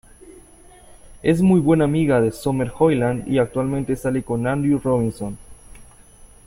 Es muy buena amiga de Summer Hoyland y actualmente sale con Andrew Robinson.